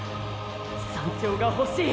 山頂が欲しい！